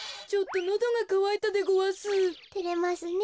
ちょっとのどがかわいたでごわす。